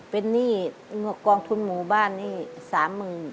เป็นหนี้กองทุนหมู่บ้านหนี้๓หมื่น